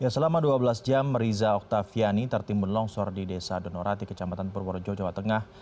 selama dua belas jam riza oktaviani tertimbun longsor di desa donorati kecamatan purworejo jawa tengah